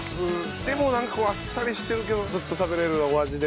でもなんかあっさりしてるけどずっと食べられるお味で。